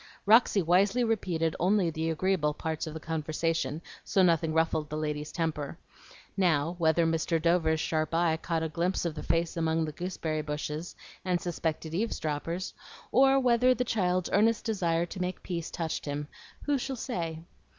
Roxy wisely repeated only the agreeable parts of the conversation; so nothing ruffled the lady's temper. Now, whether Mr. Dover's sharp eye caught a glimpse of the face among the gooseberry bushes, and suspected eavesdroppers, or whether the child's earnest desire to make peace touched him, who shall say?